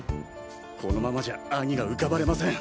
このままじゃ兄がうかばれません！